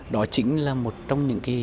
đó chính là một trong những nội dung